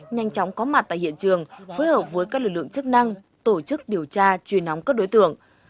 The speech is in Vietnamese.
nhanh chóng có mặt tại hiện trường phối hợp với các lực lượng chức năng tổ chức điều tra truy nóng các đối tượng